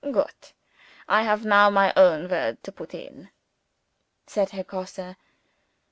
"Goot! I have now my own word to put in," said Herr Grosse.